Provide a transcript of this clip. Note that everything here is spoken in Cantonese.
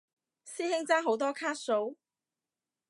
師兄爭好多卡數？